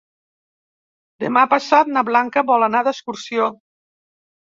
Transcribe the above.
Demà passat na Blanca vol anar d'excursió.